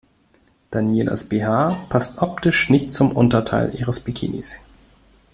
Danielas BH passt optisch nicht zum Unterteil ihres Bikinis.